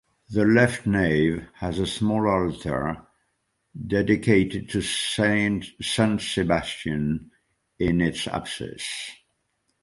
The left nave has a small altar dedicated to Saint Sebastian in its apsis.